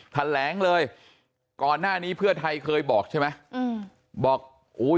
แถลงเลยก่อนหน้านี้เพื่อไทยเคยบอกใช่ไหมอืมบอกอุ้ย